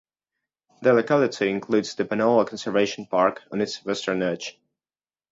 The locality includes the Penola Conservation Park on its western edge.